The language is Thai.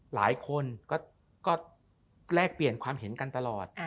หลายคนก็แลกเปลี่ยนความเห็นกันตลอด